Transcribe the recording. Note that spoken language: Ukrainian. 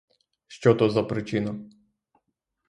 Що то за причина?